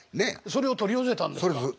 それ取り寄せたんです。